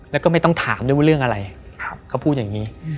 แล้วก็ไม่ต้องถามด้วยว่าเรื่องอะไรเขาพูดอย่างนี้